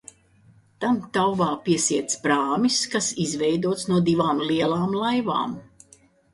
Tam tauvā piesiets prāmis, kas izveidots no divām lielām laivām.